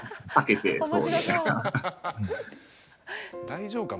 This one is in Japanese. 大丈夫か？